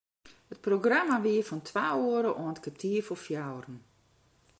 It programma wie fan twa oere oant kertier foar fjouweren.